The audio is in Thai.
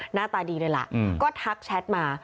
หน้าตาดีเลยล่ะก็ทักแชทมา